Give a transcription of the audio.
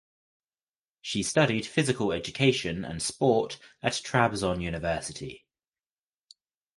She studied Physical Education and Sport at Trabzon University.